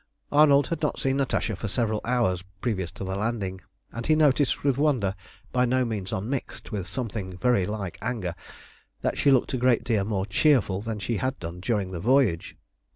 Arnold had not seen Natasha for several hours previous to the landing, and he noticed with wonder, by no means unmixed with something very like anger, that she looked a great deal more cheerful than she had done during the voyage.